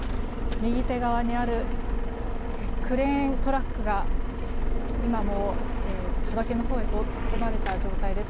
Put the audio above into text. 右手側にあるクレーントラックが今も畑のほうへと突っ込まれた状態です。